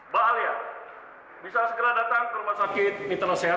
pak alia bisa segera datang ke rumah sakit minta nasihat